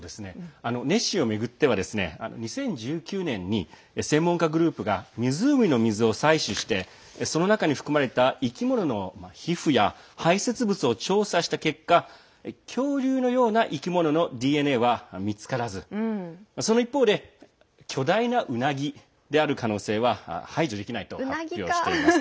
ネッシーを巡ってはですね２０１９年に専門家グループが湖の水を採取してその中に含まれた生き物の皮膚や排泄物を調査した結果恐竜のような生き物のＤＮＡは見つからずその一方で、巨大なうなぎである可能性は排除できないと発表しています。